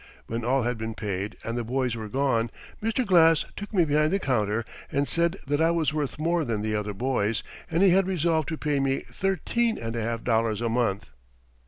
When all had been paid and the boys were gone, Mr. Glass took me behind the counter and said that I was worth more than the other boys, and he had resolved to pay me thirteen and a half dollars a month.